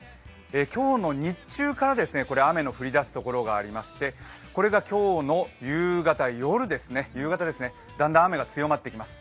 今日の日中から雨の降りだす所がありましてこれが今日の夕方ですね、だんだん雨が強まってきます。